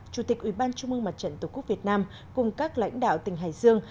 chủ tịch ủy ban trung mương mặt trận tổ quốc việt nam cùng các lãnh đạo tỉnh hải dương